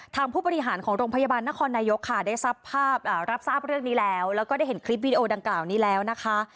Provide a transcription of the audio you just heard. ผู้บริหารของโรงพยาบาลนครนายกค่ะได้รับทราบเรื่องนี้แล้วแล้วก็ได้เห็นคลิปวิดีโอดังกล่าวนี้แล้วนะคะ